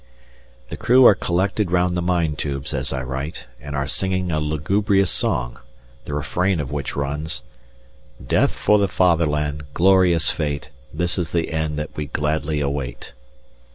The crew are collected round the mine tubes as I write, and are singing a lugubrious song, the refrain of which runs: "Death for the Fatherland! Glorious fate, This is the end that we gladly await."